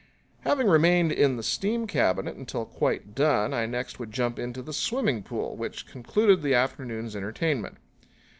Having remained in the steam cabinet until quite done, I next would jump into the swimming pool, which concluded the afternoon's entertainment.